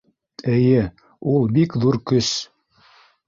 Эйе, ул бик ҙур көс.